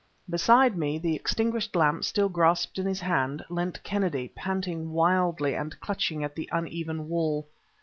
Beside me, the extinguished lamp still grasped in his hand, leant Kennedy, panting wildly and clutching at the uneven wall.